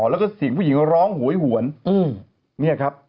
แล้วก็เสียงผู้หญิงร้องหวยหวน